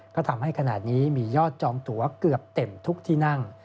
ก็ทำให้ขณะนี้มียอดจองตัวเกือบเต็มทุกที่นั่ง